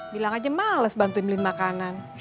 bilang aja males bantuin beli makanan